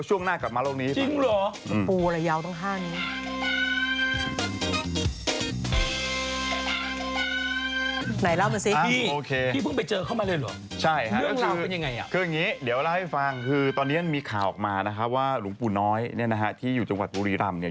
วัดวังหินเนี่ยนะฮะเขามีอยู่เป็นร้อยปีแล้ว